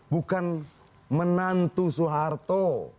bukan menantu soeharto